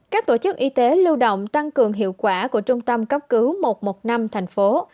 các tổ chức y tế lưu động tăng cường hiệu quả của trung tâm cấp cứu một trăm một mươi năm thành phố